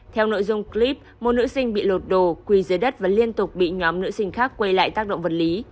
theo nội dung clip một nữ sinh bị lột đồ quỳ dưới đất và liên tục bị nhóm nữ sinh khác quay lại tác động vật lý